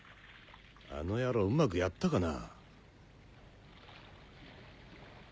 あの野郎うまくやったかな？